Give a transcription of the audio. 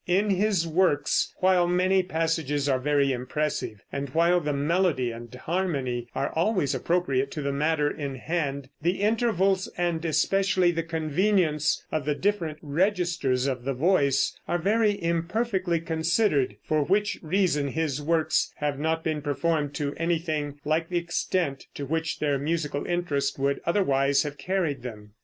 In his works, while many passages are very impressive, and while the melody and harmony are always appropriate to the matter in hand, the intervals and especially the convenience of the different registers of the voice are very imperfectly considered, for which reason his works have not been performed to anything like the extent to which their musical interest would otherwise have carried them.